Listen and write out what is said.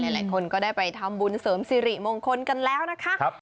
หลายคนก็ได้ไปทำบุญเสริมสิริมงคลกันแล้วนะคะ